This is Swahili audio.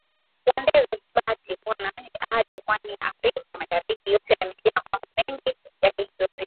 kuanzia Zanzibar hadi pwani ya Afrka Mashariki yote yamejaa mmbo mengi ya kihistoria